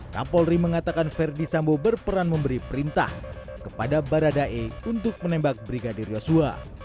kapolri mengatakan verdi sambo berperan memberi perintah kepada baradae untuk menembak brigadir yosua